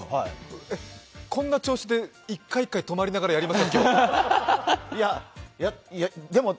こんな調子で１回１回、止まりながらやります？